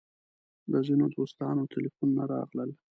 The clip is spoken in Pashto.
د ځینو دوستانو تیلفونونه راغلل.